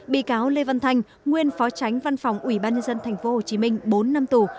bị cáo lê văn thanh nguyên phó tránh văn phòng ubnd tp hcm bốn năm tù